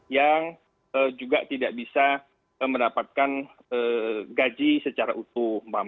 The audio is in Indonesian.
yang juga tidak bisa mendapatkan gaji secara utuh